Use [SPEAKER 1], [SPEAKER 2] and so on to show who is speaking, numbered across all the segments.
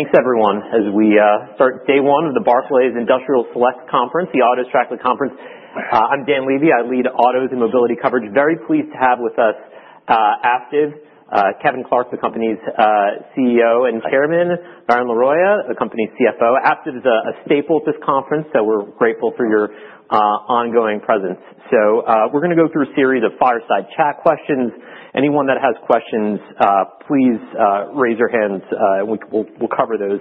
[SPEAKER 1] Thanks, everyone. As we start day one of the Barclays Industrial Select Conference, the Auto Tracker Conference, I'm Dan Levy. I lead autos and mobility coverage. Very pleased to have with us Aptiv. Kevin Clark is the company's CEO and Chairman.
[SPEAKER 2] Thanks. Varun Laroyia, the company's CFO. Aptiv is a staple at this conference, so we're grateful for your ongoing presence. We're going to go through a series of fireside chat questions. Anyone that has questions, please raise your hands, and we'll cover those.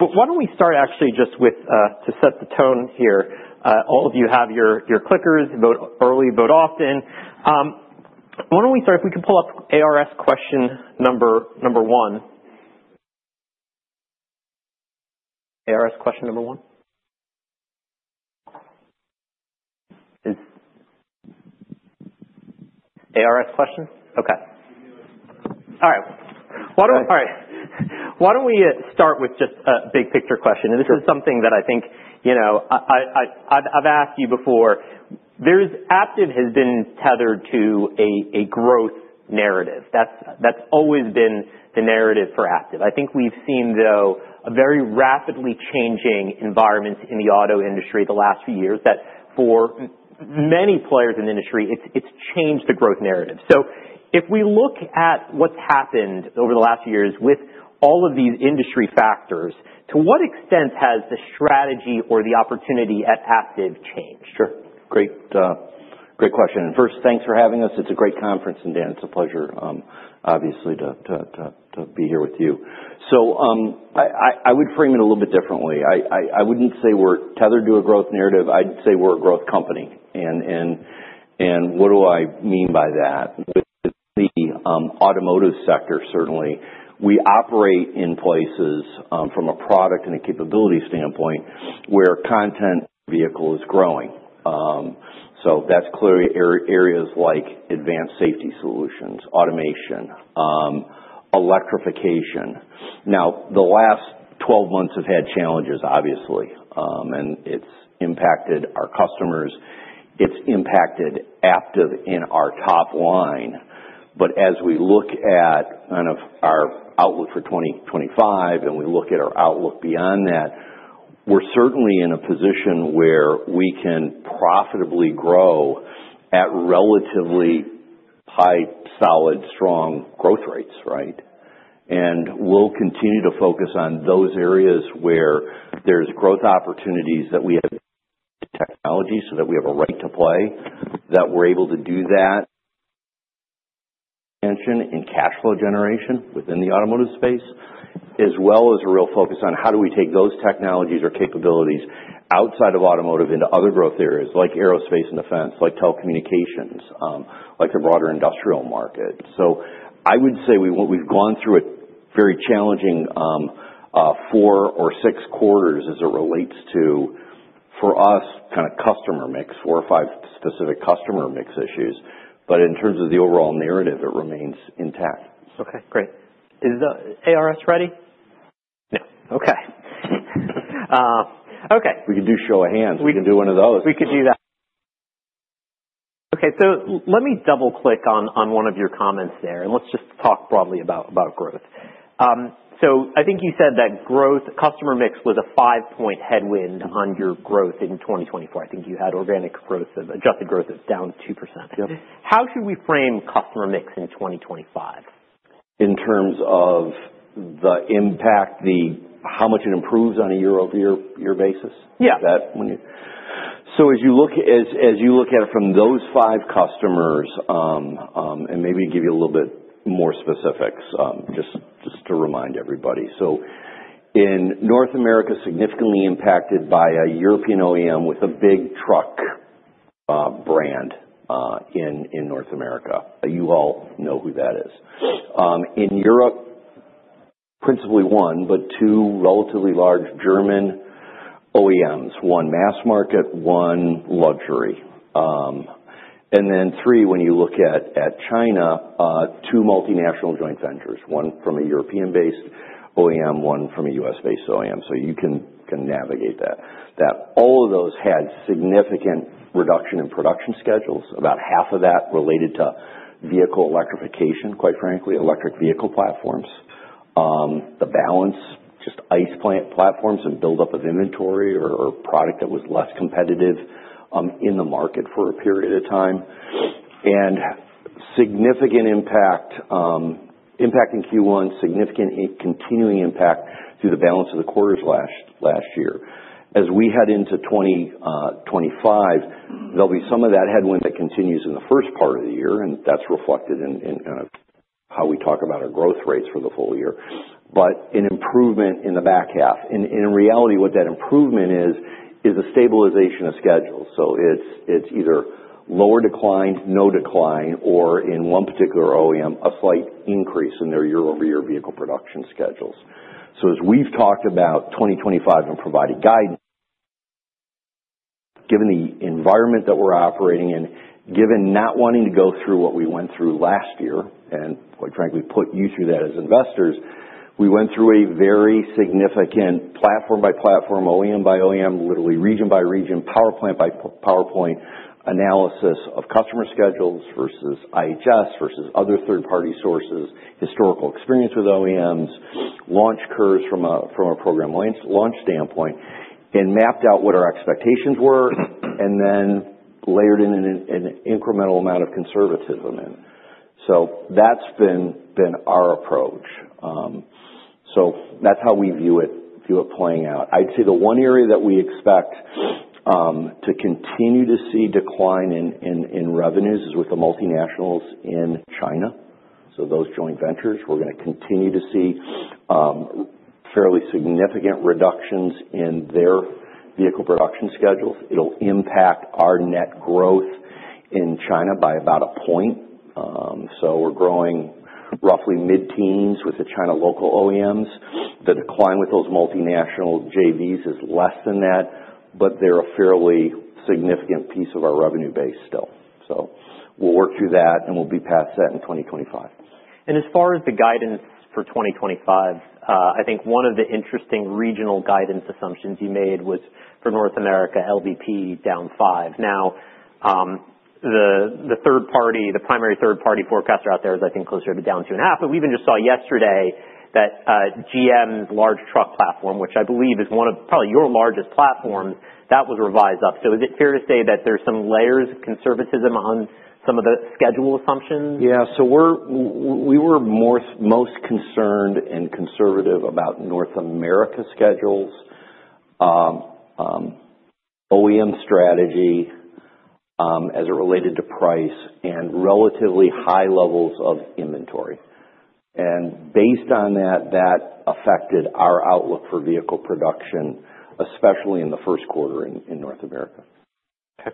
[SPEAKER 2] But why don't we start actually just to set the tone here? All of you have your clickers. Vote early, vote often. Why don't we start if we can pull up ARS question number one. ARS question number one? ARS question? OK. All right. Why don't we start with just a big picture question? This is something that I think I've asked you before. Aptiv has been tethered to a growth narrative. That's always been the narrative for Aptiv. I think we've seen, though, a very rapidly changing environment in the auto industry the last few years that, for many players in the industry, it's changed the growth narrative, so if we look at what's happened over the last few years with all of these industry factors, to what extent has the strategy or the opportunity at Aptiv changed? Sure. Great question. And first, thanks for having us. It's a great conference, and Dan, it's a pleasure, obviously, to be here with you. So I would frame it a little bit differently. I wouldn't say we're tethered to a growth narrative. I'd say we're a growth company. And what do I mean by that? With the automotive sector, certainly, we operate in places, from a product and a capability standpoint, where content vehicle is growing. So that's clearly areas like advanced safety solutions, automation, electrification. Now, the last 12 months have had challenges, obviously, and it's impacted our customers. It's impacted Aptiv in our top line. But as we look at our outlook for 2025 and we look at our outlook beyond that, we're certainly in a position where we can profitably grow at relatively high, solid, strong growth rates, right? We'll continue to focus on those areas where there's growth opportunities that we have technology so that we have a right to play, that we're able to do that in cash flow generation within the automotive space, as well as a real focus on how do we take those technologies or capabilities outside of automotive into other growth areas like aerospace and defense, like telecommunications, like the broader industrial market. I would say we've gone through a very challenging four or six quarters as it relates to, for us, kind of customer mix, four or five specific customer mix issues. In terms of the overall narrative, it remains intact.
[SPEAKER 1] OK, great. Is the ARS ready?
[SPEAKER 2] Yeah.
[SPEAKER 1] OK. OK.
[SPEAKER 2] We could do show of hands. We can do one of those.
[SPEAKER 1] We could do that. OK, so let me double-click on one of your comments there, and let's just talk broadly about growth. So I think you said that customer mix was a five-point headwind on your growth in 2024. I think you had organic growth, adjusted growth, down 2%. How should we frame customer mix in 2025?
[SPEAKER 2] In terms of the impact, how much it improves on a year-over-year basis?
[SPEAKER 1] Yeah.
[SPEAKER 2] So as you look at it from those five customers, and maybe give you a little bit more specifics just to remind everybody. So in North America, significantly impacted by a European OEM with a big truck brand in North America. You all know who that is. In Europe, principally one, but two relatively large German OEMs, one mass market, one luxury. And then three, when you look at China, two multinational joint ventures, one from a European-based OEM, one from a U.S.-based OEM. So you can navigate that. All of those had significant reduction in production schedules, about half of that related to vehicle electrification, quite frankly, electric vehicle platforms. The balance, just ICE Plant platforms and build-up of inventory or product that was less competitive in the market for a period of time. And significant impact in Q1, significant continuing impact through the balance of the quarters last year. As we head into 2025, there'll be some of that headwind that continues in the first part of the year, and that's reflected in how we talk about our growth rates for the full year. But an improvement in the back half. And in reality, what that improvement is, is a stabilization of schedules. So it's either lower decline, no decline, or in one particular OEM, a slight increase in their year-over-year vehicle production schedules. So as we've talked about 2025 and provided guidance, given the environment that we're operating in, given not wanting to go through what we went through last year, and quite frankly, put you through that as investors, we went through a very significant platform by platform, OEM by OEM, literally region by region, powertrain by powertrain analysis of customer schedules versus IHS versus other third-party sources, historical experience with OEMs, launch curves from a program launch standpoint, and mapped out what our expectations were, and then layered in an incremental amount of conservatism in. So that's been our approach. So that's how we view it playing out. I'd say the one area that we expect to continue to see decline in revenues is with the multinationals in China. So those joint ventures, we're going to continue to see fairly significant reductions in their vehicle production schedules. It'll impact our net growth in China by about a point. So we're growing roughly mid-teens with the China local OEMs. The decline with those multinational JVs is less than that, but they're a fairly significant piece of our revenue base still. So we'll work through that, and we'll be past that in 2025.
[SPEAKER 1] And as far as the guidance for 2025, I think one of the interesting regional guidance assumptions you made was for North America, LVP down five. Now, the primary third-party forecaster out there is, I think, closer to down two and a half. But we even just saw yesterday that GM's large truck platform, which I believe is one of probably your largest platforms, that was revised up. So is it fair to say that there's some layers of conservatism on some of the schedule assumptions?
[SPEAKER 2] Yeah. So we were most concerned and conservative about North America schedules, OEM strategy as it related to price, and relatively high levels of inventory. And based on that, that affected our outlook for vehicle production, especially in the first quarter in North America.
[SPEAKER 1] OK.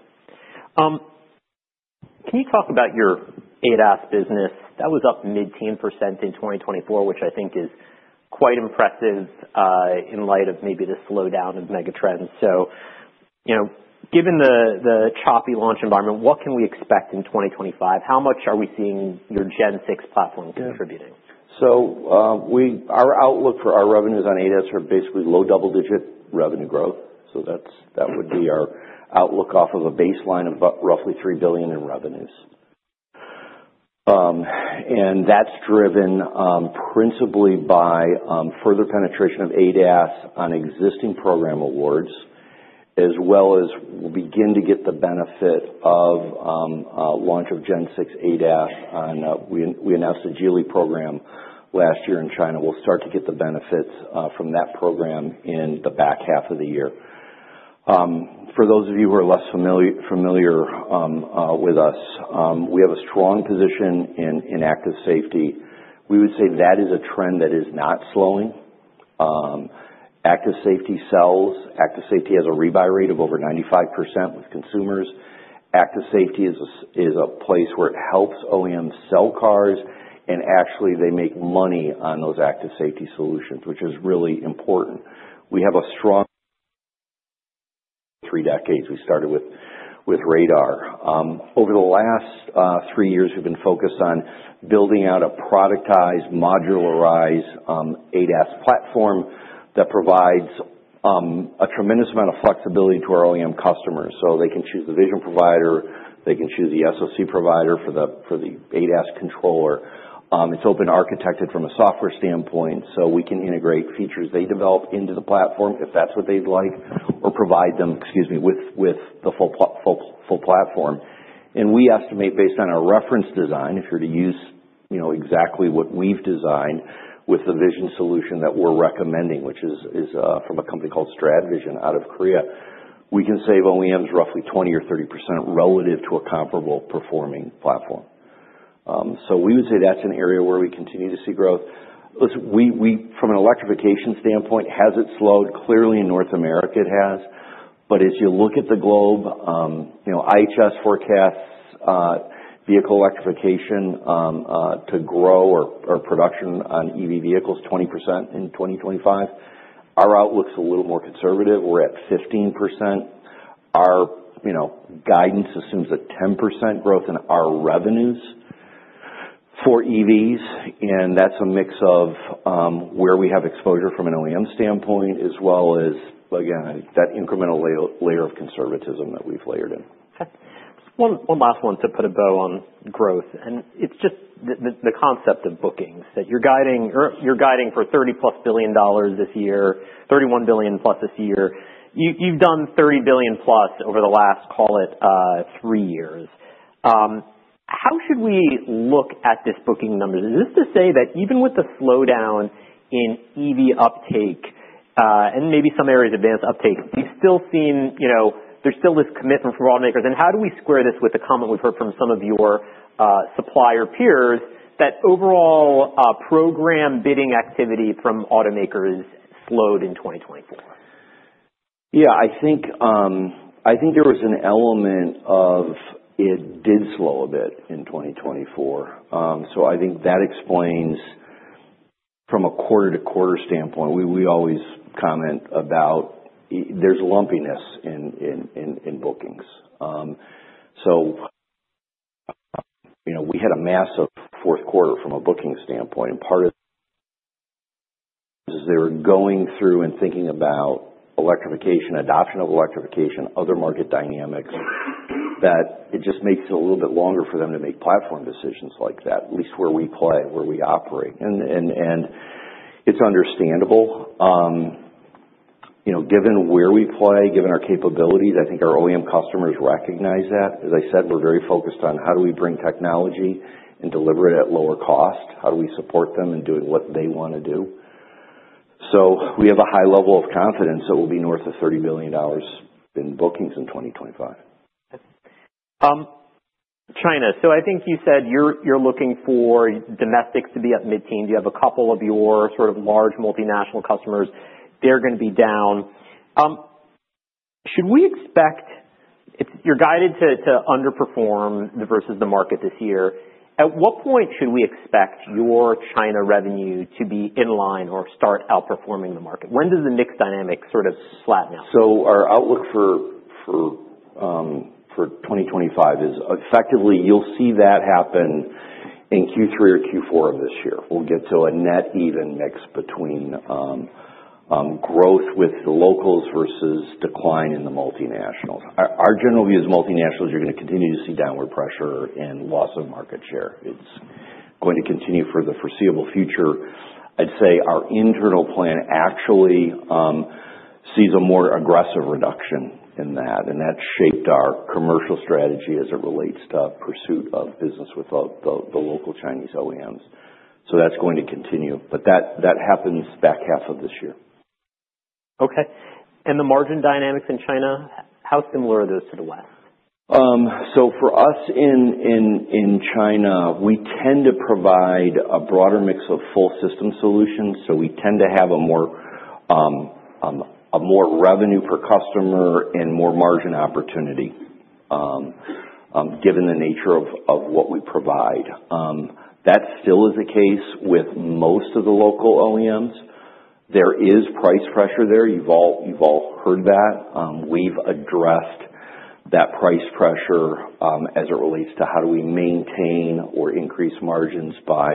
[SPEAKER 1] Can you talk about your ADAS business? That was up mid-teen% in 2024, which I think is quite impressive in light of maybe the slowdown of megatrends. So given the choppy launch environment, what can we expect in 2025? How much are we seeing your Gen 6 platform contributing?
[SPEAKER 2] Our outlook for our revenues on ADAS are basically low double-digit revenue growth. That would be our outlook off of a baseline of roughly $3 billion in revenues. That's driven principally by further penetration of ADAS on existing program awards, as well as we'll begin to get the benefit of launch of Gen 6 ADAS. We announced the Geely program last year in China. We'll start to get the benefits from that program in the back half of the year. For those of you who are less familiar with us, we have a strong position in active safety. We would say that is a trend that is not slowing. Active safety sells. Active safety has a rebuy rate of over 95% with consumers. Active safety is a place where it helps OEMs sell cars, and actually, they make money on those active safety solutions, which is really important. We have a strong three decades. We started with radar. Over the last three years, we've been focused on building out a productized, modularized ADAS platform that provides a tremendous amount of flexibility to our OEM customers. So they can choose the vision provider. They can choose the SoC provider for the ADAS controller. It's open architected from a software standpoint, so we can integrate features they develop into the platform, if that's what they'd like, or provide them, excuse me, with the full platform. We estimate, based on our reference design, if you're to use exactly what we've designed with the vision solution that we're recommending, which is from a company called StradVision out of Korea, we can save OEMs roughly 20% or 30% relative to a comparable performing platform. We would say that's an area where we continue to see growth. From an electrification standpoint, has it slowed? Clearly, in North America, it has. As you look at the globe, IHS forecasts vehicle electrification to grow our production on EV vehicles 20% in 2025. Our outlook's a little more conservative. We're at 15%. Our guidance assumes a 10% growth in our revenues for EVs, and that's a mix of where we have exposure from an OEM standpoint, as well as, again, that incremental layer of conservatism that we've layered in.
[SPEAKER 1] OK. One last one to put a bow on growth, and it's just the concept of bookings, that you're guiding for $30-plus billion this year, $31 billion-plus this year. You've done $30 billion-plus over the last, call it, three years. How should we look at this booking numbers? Is this to say that even with the slowdown in EV uptake, and maybe some areas of advanced uptake, we've still seen there's still this commitment from automakers, and how do we square this with the comment we've heard from some of your supplier peers that overall program bidding activity from automakers slowed in 2024?
[SPEAKER 2] Yeah, I think there was an element of it did slow a bit in 2024. So I think that explains, from a quarter-to-quarter standpoint, we always comment about there's lumpiness in bookings. So we had a massive fourth quarter from a booking standpoint. And part of it is they were going through and thinking about electrification, adoption of electrification, other market dynamics, that it just makes it a little bit longer for them to make platform decisions like that, at least where we play, where we operate. And it's understandable. Given where we play, given our capabilities, I think our OEM customers recognize that. As I said, we're very focused on how do we bring technology and deliver it at lower cost, how do we support them in doing what they want to do. We have a high level of confidence that we'll be north of $30 billion in bookings in 2025.
[SPEAKER 1] China, so I think you said you're looking for domestics to be up mid-teens. You have a couple of your sort of large multinational customers. They're going to be down. Should we expect you're guided to underperform versus the market this year? At what point should we expect your China revenue to be in line or start outperforming the market? When does the mixed dynamic sort of flatten out?
[SPEAKER 2] So our outlook for 2025 is effectively, you'll see that happen in Q3 or Q4 of this year. We'll get to a net even mix between growth with the locals versus decline in the multinationals. Our general view is multinationals, you're going to continue to see downward pressure and loss of market share. It's going to continue for the foreseeable future. I'd say our internal plan actually sees a more aggressive reduction in that, and that shaped our commercial strategy as it relates to pursuit of business with the local Chinese OEMs. So that's going to continue. But that happens back half of this year.
[SPEAKER 1] OK. And the margin dynamics in China, how similar are those to the West?
[SPEAKER 2] So for us in China, we tend to provide a broader mix of full system solutions. So we tend to have a more revenue per customer and more margin opportunity, given the nature of what we provide. That still is the case with most of the local OEMs. There is price pressure there. You've all heard that. We've addressed that price pressure as it relates to how do we maintain or increase margins by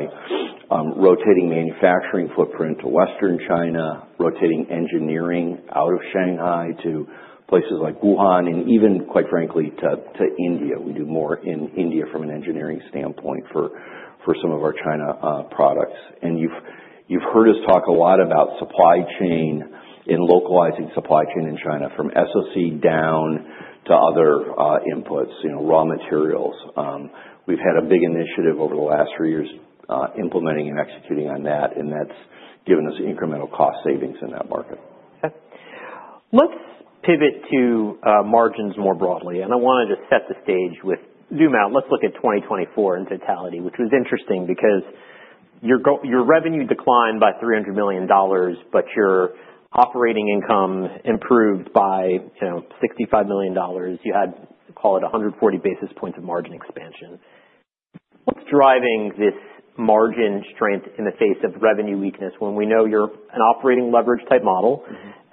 [SPEAKER 2] rotating manufacturing footprint to Western China, rotating engineering out of Shanghai to places like Wuhan, and even, quite frankly, to India. We do more in India from an engineering standpoint for some of our China products. And you've heard us talk a lot about supply chain and localizing supply chain in China from SoC down to other inputs, raw materials. We've had a big initiative over the last three years implementing and executing on that, and that's given us incremental cost savings in that market.
[SPEAKER 1] OK. Let's pivot to margins more broadly, and I wanted to set the stage with zoom out. Let's look at 2024 in totality, which was interesting because your revenue declined by $300 million, but your operating income improved by $65 million. You had, call it, 140 basis points of margin expansion. What's driving this margin strength in the face of revenue weakness when we know you're an operating leverage type model?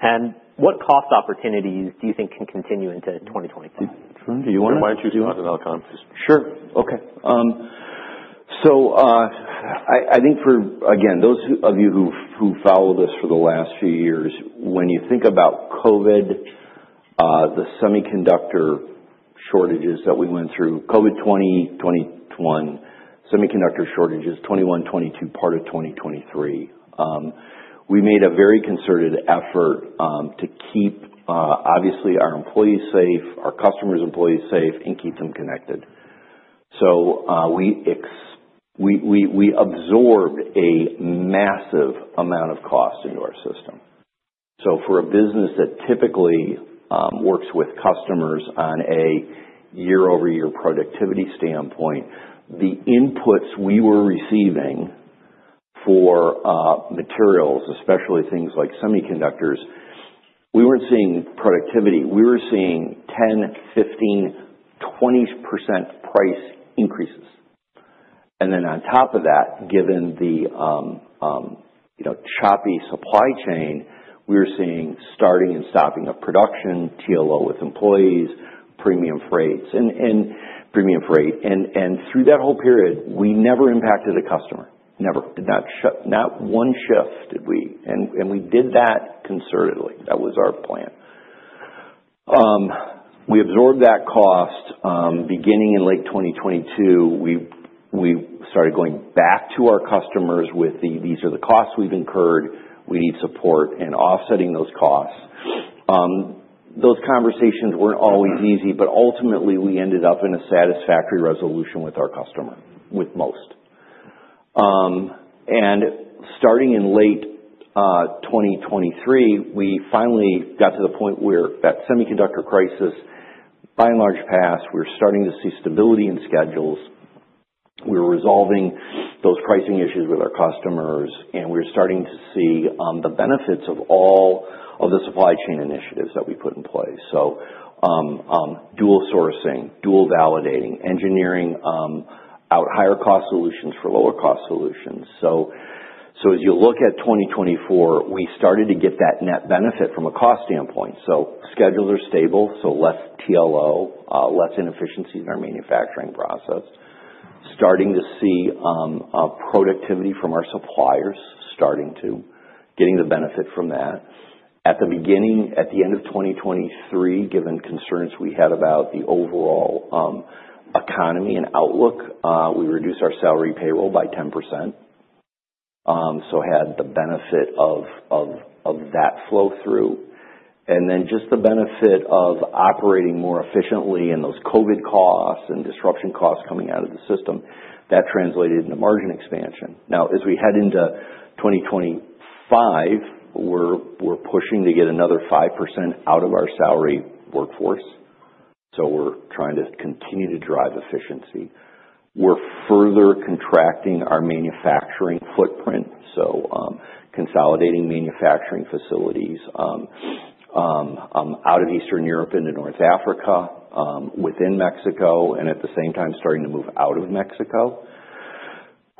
[SPEAKER 1] And what cost opportunities do you think can continue into 2025?
[SPEAKER 2] Do you want to?
[SPEAKER 3] Sure.
[SPEAKER 2] Mind you, do you want another comment, please?
[SPEAKER 3] Sure. OK. So I think for, again, those of you who follow this for the last few years, when you think about COVID, the semiconductor shortages that we went through, COVID 2020, 2021, semiconductor shortages, 2021, 2022, part of 2023, we made a very concerted effort to keep, obviously, our employees safe, our customers' employees safe, and keep them connected. So we absorbed a massive amount of cost into our system. So for a business that typically works with customers on a year-over-year productivity standpoint, the inputs we were receiving for materials, especially things like semiconductors, we weren't seeing productivity. We were seeing 10%, 15%, 20% price increases. And then on top of that, given the choppy supply chain, we were seeing starting and stopping of production, TLO with employees, premium freight. And through that whole period, we never impacted a customer. Never. Not one shift did we. We did that concertedly. That was our plan. We absorbed that cost. Beginning in late 2022, we started going back to our customers with the, these are the costs we've incurred. We need support in offsetting those costs. Those conversations weren't always easy, but ultimately, we ended up in a satisfactory resolution with our customer, with most. Starting in late 2023, we finally got to the point where that semiconductor crisis, by and large, passed. We were starting to see stability in schedules. We were resolving those pricing issues with our customers, and we were starting to see the benefits of all of the supply chain initiatives that we put in place. So dual sourcing, dual validating, engineering out higher cost solutions for lower cost solutions. As you look at 2024, we started to get that net benefit from a cost standpoint. Schedules are stable, so less TLO, less inefficiency in our manufacturing process. We are starting to see productivity from our suppliers, starting to getting the benefit from that. At the beginning, at the end of 2023, given concerns we had about the overall economy and outlook, we reduced our salary payroll by 10%. We had the benefit of that flow through. Then just the benefit of operating more efficiently and those COVID costs and disruption costs coming out of the system translated into margin expansion. Now, as we head into 2025, we are pushing to get another 5% out of our salary workforce. We are trying to continue to drive efficiency. We are further contracting our manufacturing footprint, so consolidating manufacturing facilities out of Eastern Europe into North Africa, within Mexico, and at the same time, starting to move out of Mexico.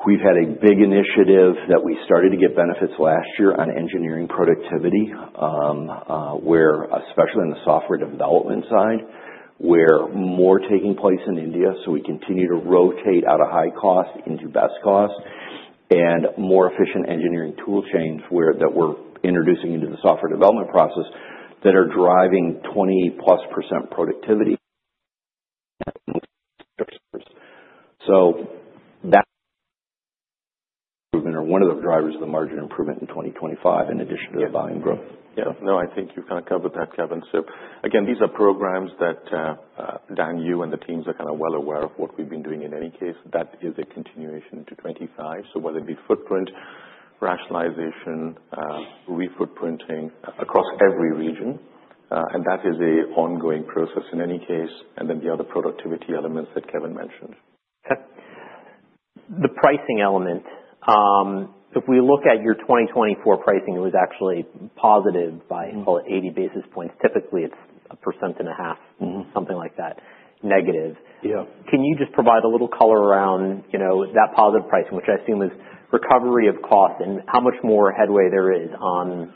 [SPEAKER 3] We've had a big initiative that we started to get benefits last year on engineering productivity, especially on the software development side, where more is taking place in India. So we continue to rotate out of high cost into best cost and more efficient engineering tool chains that we're introducing into the software development process that are driving 20+% productivity. So that improvement or one of the drivers of the margin improvement in 2025, in addition to the buying growth. Yeah. No, I think you've kind of covered that, Kevin. So again, these are programs that, Dan, you and the teams are kind of well aware of what we've been doing in any case. That is a continuation to 2025. So whether it be footprint rationalization, re-footprinting across every region. And that is an ongoing process in any case. And then the other productivity elements that Kevin mentioned. The pricing element. If we look at your 2024 pricing, it was actually positive by, call it, 80 basis points. Typically, it's 1.5%, something like that, negative. Can you just provide a little color around that positive pricing, which I assume is recovery of cost and how much more headway there is on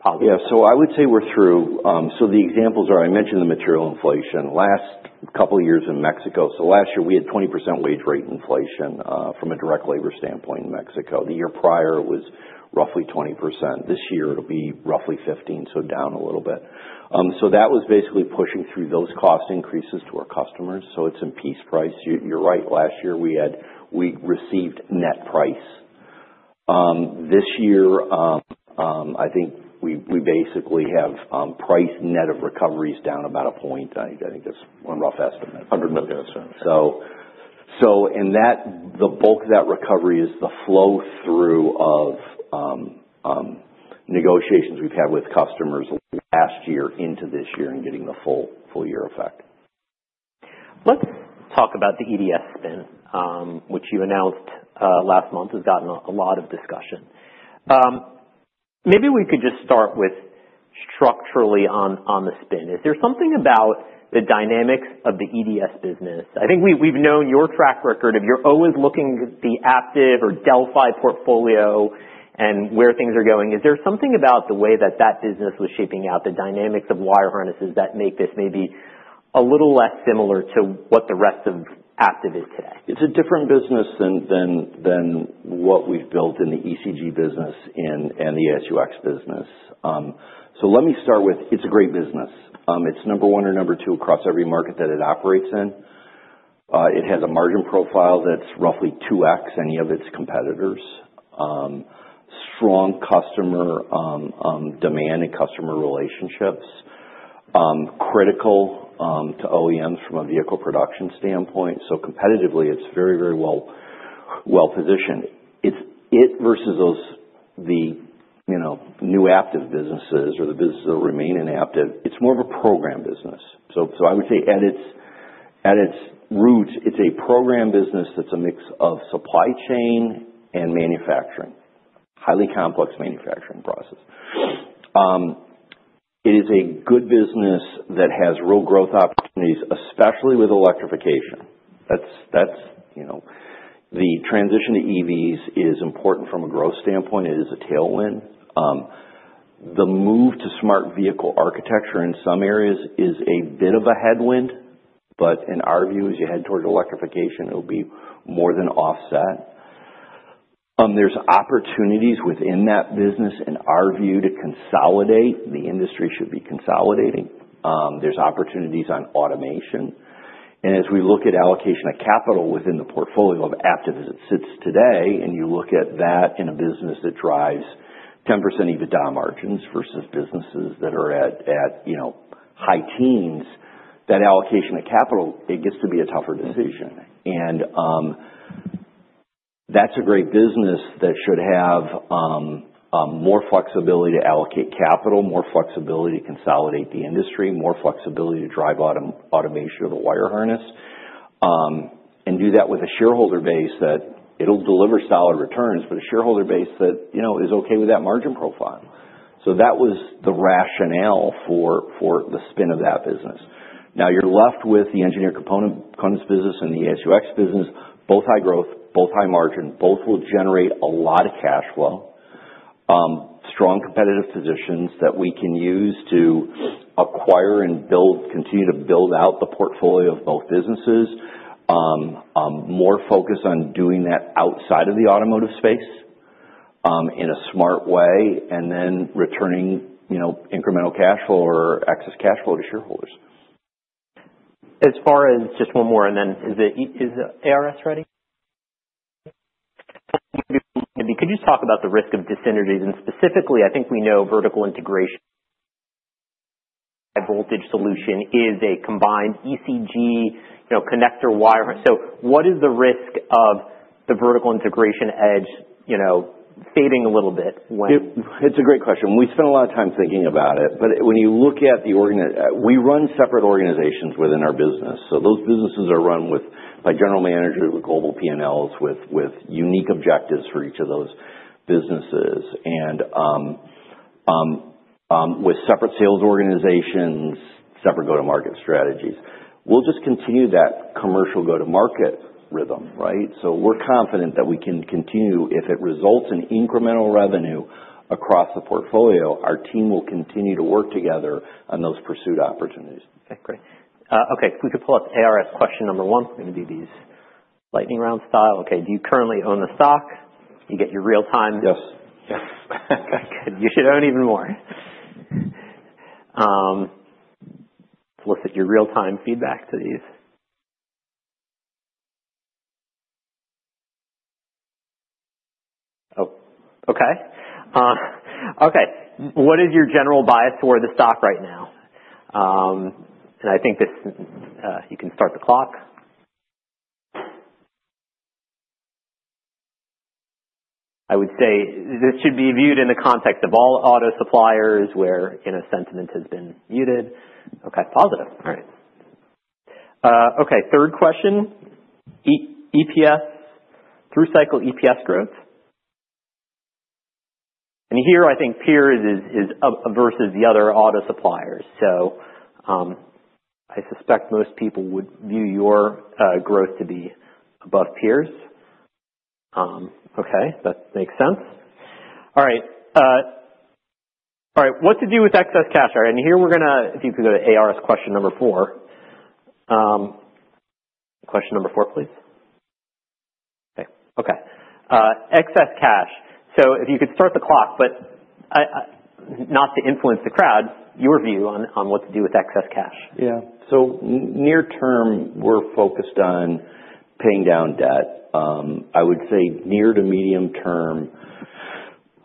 [SPEAKER 3] positive?
[SPEAKER 2] Yeah. So I would say we're through. So the examples are, I mentioned the material inflation. Last couple of years in Mexico, so last year, we had 20% wage rate inflation from a direct labor standpoint in Mexico. The year prior was roughly 20%. This year, it'll be roughly 15%, so down a little bit. So that was basically pushing through those cost increases to our customers. So it's in piece price. You're right. Last year, we received net price. This year, I think we basically have price net of recoveries down about a point. I think that's one rough estimate.
[SPEAKER 3] 100 million.
[SPEAKER 2] The bulk of that recovery is the flow-through of negotiations we've had with customers last year into this year and getting the full year effect.
[SPEAKER 1] Let's talk about the EDS spin, which you announced last month, has gotten a lot of discussion. Maybe we could just start with structurally on the spin. Is there something about the dynamics of the EDS business? I think we've known your track record of you always looking at the Aptiv or Delphi portfolio and where things are going. Is there something about the way that that business was shaping out, the dynamics of wire harnesses that make this maybe a little less similar to what the rest of Aptiv is today?
[SPEAKER 2] It's a different business than what we've built in the ECG business and the AS&UX business. So let me start with, it's a great business. It's number one or number two across every market that it operates in. It has a margin profile that's roughly 2x any of its competitors. Strong customer demand and customer relationships. Critical to OEMs from a vehicle production standpoint. So competitively, it's very, very well positioned. It versus the new Aptiv businesses or the businesses that remain in Aptiv, it's more of a program business. So I would say at its roots, it's a program business that's a mix of supply chain and manufacturing, highly complex manufacturing process. It is a good business that has real growth opportunities, especially with electrification. The transition to EVs is important from a growth standpoint. It is a tailwind. The move to Smart Vehicle Architecture in some areas is a bit of a headwind. But in our view, as you head towards electrification, it will be more than offset. There's opportunities within that business, in our view, to consolidate. The industry should be consolidating. There's opportunities on automation. And as we look at allocation of capital within the portfolio of Aptiv as it sits today, and you look at that in a business that drives 10% EBITDA margins versus businesses that are at high teens, that allocation of capital, it gets to be a tougher decision. And that's a great business that should have more flexibility to allocate capital, more flexibility to consolidate the industry, more flexibility to drive automation of the wire harness, and do that with a shareholder base that it'll deliver solid returns, but a shareholder base that is okay with that margin profile. So that was the rationale for the spin of that business. Now, you're left with the Engineered Components business and the AS&UX business. Both high growth, both high margin, both will generate a lot of cash flow. Strong competitive positions that we can use to acquire and continue to build out the portfolio of both businesses. More focus on doing that outside of the automotive space in a smart way, and then returning incremental cash flow or excess cash flow to shareholders.
[SPEAKER 1] As far as just one more, and then is ARS ready? Could you talk about the risk of disintegration, and specifically, I think we know vertical integration. Voltage solution is a combined ECG connector wire. So what is the risk of the vertical integration edge fading a little bit when?
[SPEAKER 2] It's a great question. We spent a lot of time thinking about it. But when you look at the organization, we run separate organizations within our business. So those businesses are run by general managers with global P&Ls with unique objectives for each of those businesses and with separate sales organizations, separate go-to-market strategies. We'll just continue that commercial go-to-market rhythm, right? So we're confident that we can continue. If it results in incremental revenue across the portfolio, our team will continue to work together on those pursued opportunities.
[SPEAKER 1] Okay. Great. Okay. If we could pull up ARS question number one. I'm going to do these lightning round style. Okay. Do you currently own the stock? You get your real-time.
[SPEAKER 2] Yes.
[SPEAKER 1] Yes. Okay. Good. You should own even more. Solicit your real-time feedback to these. Oh. Okay. Okay. What is your general bias toward the stock right now? And I think you can start the clock. I would say this should be viewed in the context of all auto suppliers where sentiment has been muted. Okay. Positive. All right. Okay. Third question. EPS, through cycle EPS growth. And here, I think peers versus the other auto suppliers. So I suspect most people would view your growth to be above peers. Okay. That makes sense. All right. All right. What to do with excess cash? All right. And here we're going to, if you could go to ARS question number four. Question number four, please. Okay. Okay. Excess cash. So if you could start the clock, but not to influence the crowd, your view on what to do with excess cash.
[SPEAKER 2] Yeah. So near term, we're focused on paying down debt. I would say near to medium term,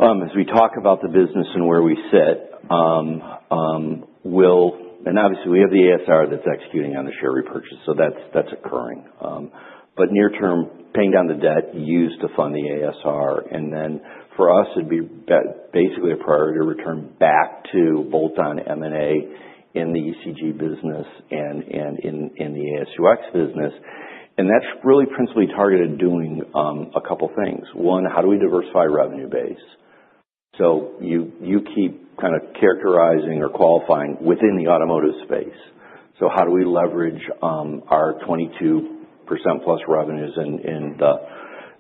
[SPEAKER 2] as we talk about the business and where we sit, we'll, and obviously, we have the ASR that's executing on the share repurchase. So that's occurring. But near term, paying down the debt used to fund the ASR. And then for us, it'd be basically a priority to return back to bolt-on M&A in the ECG business and in the AS&UX business. And that's really principally targeted doing a couple of things. One, how do we diversify revenue base? So you keep kind of characterizing or qualifying within the automotive space. So how do we leverage our 22% plus revenues in the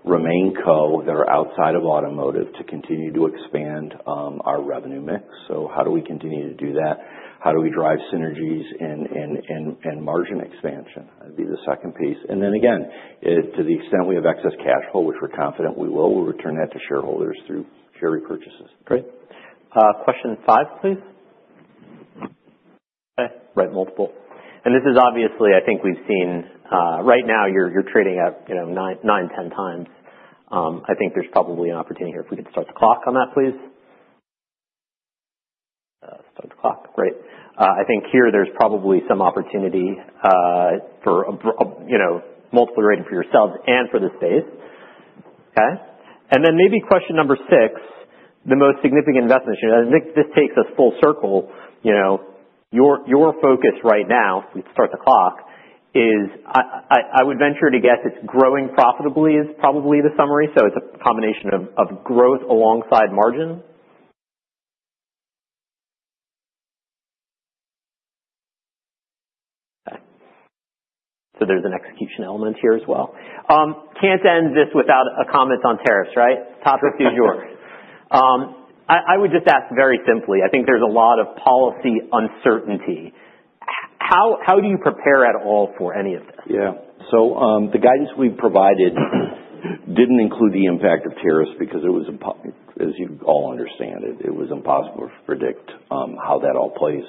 [SPEAKER 2] RemainCos that are outside of automotive to continue to expand our revenue mix? So how do we continue to do that? How do we drive synergies and margin expansion? That'd be the second piece. And then again, to the extent we have excess cash flow, which we're confident we will, we'll return that to shareholders through share repurchases.
[SPEAKER 1] Great. Question five, please. Okay. Right. Multiple. And this is obviously, I think we've seen right now, you're trading at nine, 10 times. I think there's probably an opportunity here if we could start the clock on that, please. Start the clock. Great. I think here there's probably some opportunity for multiple rating for yourselves and for the space. Okay. And then maybe question number six, the most significant investment. This takes us full circle. Your focus right now, if we start the clock, is I would venture to guess it's growing profitably is probably the summary. So it's a combination of growth alongside margin. Okay. So there's an execution element here as well. Can't end this without a comment on tariffs, right? Topic is yours. I would just ask very simply. I think there's a lot of policy uncertainty. How do you prepare at all for any of this?
[SPEAKER 2] Yeah. So the guidance we've provided didn't include the impact of tariffs because it was, as you all understand it, it was impossible to predict how that all plays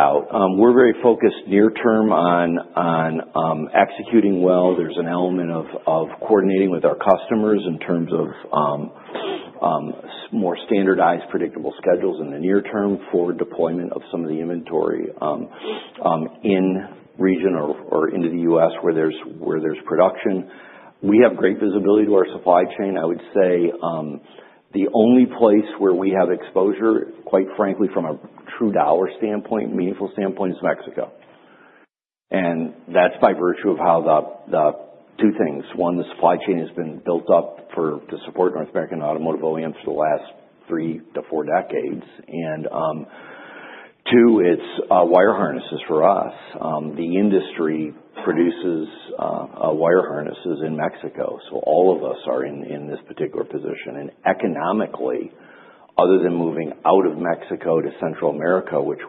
[SPEAKER 2] out. We're very focused near-term on executing well. There's an element of coordinating with our customers in terms of more standardized predictable schedules in the near term for deployment of some of the inventory in-region or into the U.S. where there's production. We have great visibility to our supply chain. I would say the only place where we have exposure, quite frankly, from a true dollar standpoint, meaningful standpoint, is Mexico. And that's by virtue of how the two things. One, the supply chain has been built up to support North American automotive OEMs for the last three to four decades. And two, it's wire harnesses for us. The industry produces wire harnesses in Mexico. So all of us are in this particular position. And economically, other than moving out of Mexico to Central America, which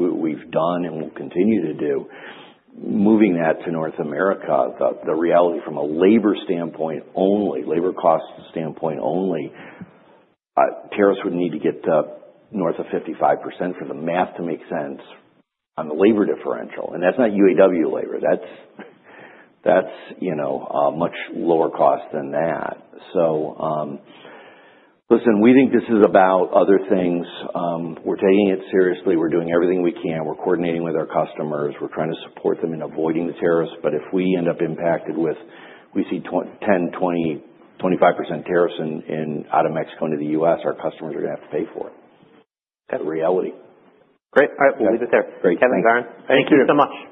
[SPEAKER 2] we've done and will continue to do, moving that to North America, the reality from a labor standpoint only, labor cost standpoint only, tariffs would need to get to north of 55% for the math to make sense on the labor differential. And that's not UAW labor. That's much lower cost than that. So listen, we think this is about other things. We're taking it seriously. We're doing everything we can. We're coordinating with our customers. We're trying to support them in avoiding the tariffs. But if we end up impacted with, we see 10%, 20%, 25% tariffs out of Mexico into the U.S., our customers are going to have to pay for it. That's the reality.
[SPEAKER 1] Great. All right. We'll leave it there.
[SPEAKER 2] Great.
[SPEAKER 1] Kevin, Varun.
[SPEAKER 2] Thank you.
[SPEAKER 1] Thank you so much.